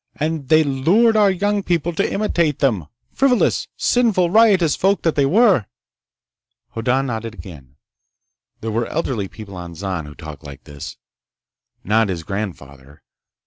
And they lured our young people to imitate them—frivolous, sinful, riotous folk that they were!" Hoddan nodded again. There were elderly people on Zan who talked like this. Not his grandfather!